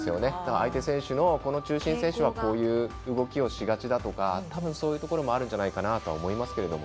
相手選手の、この選手はこういう動きをしがちだとか、そういうところもあるんじゃないかなとは思います。